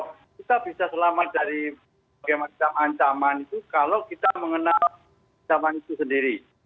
kita bisa selamat dari macam ancaman itu kalau kita mengenal ancaman itu sendiri